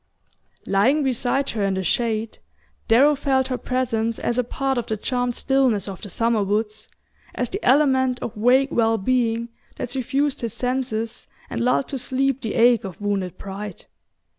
Lying beside her in the shade, Darrow felt her presence as a part of the charmed stillness of the summer woods, as the element of vague well being that suffused his senses and lulled to sleep the ache of wounded pride.